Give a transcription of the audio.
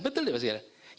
betul ya pak sekarang